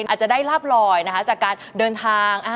อาจจะได้ลาบลอยนะคะจากการเดินทาง